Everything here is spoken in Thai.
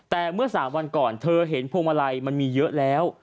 แต่เมื่อ๓วันก่อนเธอเห็นพวงมาลัยมันมีเยอะแล้ว